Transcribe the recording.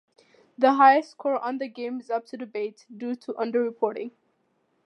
The highest score on the game is up to debate due to under reporting.